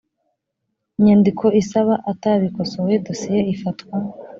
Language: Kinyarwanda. inyandiko isaba atabikosoye dosiye ifatwa